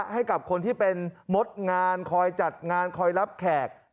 ให้กับคนที่เป็นมดงานคอยจัดงานคอยรับแขก